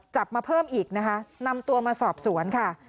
มาเพิ่มอีกนะคะนำตัวมาสอบสวนค่ะ